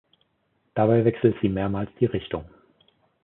Dabei wechselt sie mehrmals die Richtung.